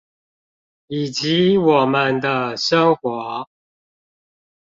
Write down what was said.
以及我們的生活